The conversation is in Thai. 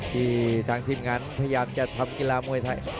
ที่ทางทีมงานพยายามจะทำกีฬามวยไทย